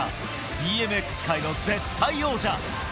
ＢＭＸ界の絶対王者。